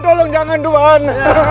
tolong jangan tuhan